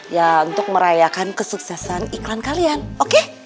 ya untuk merayakan kesuksesan iklan kalian oke